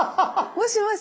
もしもし。